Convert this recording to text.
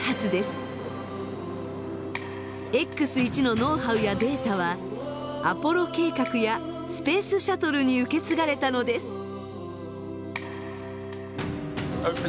Ｘー１のノウハウやデータはアポロ計画やスペースシャトルに受け継がれたのです。